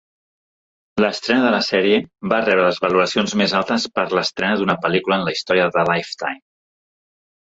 L'estrena de la sèrie va rebre les valoracions més altes per a l'estrena d'una pel·lícula en la història de Lifetime.